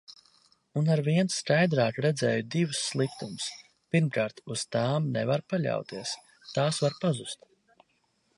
Un arvien skaidrāk redzēju divus sliktumus. Pirmkārt, uz tām nevar paļauties. Tās var pazust.